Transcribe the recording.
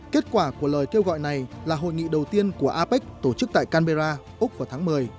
kết quả của lời kêu gọi này là hội nghị đầu tiên của apec tổ chức tại canberra úc vào tháng một mươi